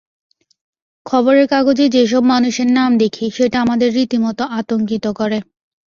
খবরের কাগজে যেসব মানুষের নাম দেখি, সেটা আমাদের রীতিমতো আতঙ্কিত করে।